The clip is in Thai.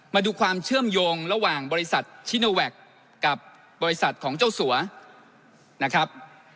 มาดูความเชื่อมโยงระหว่างบริษัทชิโนแวคกับบริษัทของเจ้าสัวนะครับ